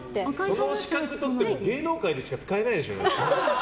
その資格取っても芸能界でしか使えないでしょ。